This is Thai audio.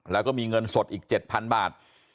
แล้วก็มีเงินสดอีก๗๐๐บาท